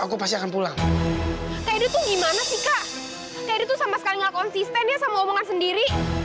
aku pasti akan pulang teh itu gimana sih kak kayak itu sama sekali nggak konsisten dia sama omongan sendiri